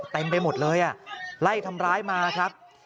เต็มไปหมดเลยไล่ทำร้ายมาครับ